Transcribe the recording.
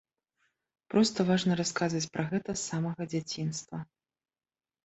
Проста важна расказваць пра гэта з самага дзяцінства.